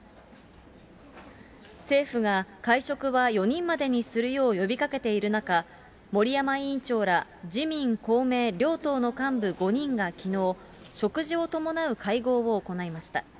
政府が、会食は４人までにするよう呼びかけている中、森山委員長ら自民、公明両党の幹部５人がきのう、食事を伴う会合を行いました。